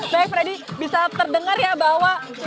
baik freddy bisa terdengar ya bahwa sudah ada nih suara suara musik